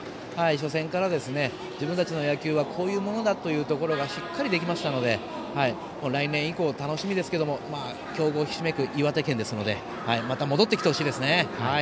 初戦から自分たちの野球はこういうものだというところがしっかりできましたので来年以降、楽しみですけど強豪ひしめく岩手県ですのでまた戻ってきてほしいですね。